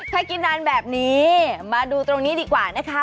ถ้ากินนานแบบนี้มาดูตรงนี้ดีกว่านะคะ